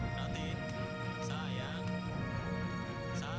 kau benci bukan